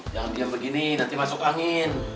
jangan diam begini nanti masuk angin